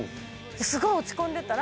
すごい落ち込んでたら。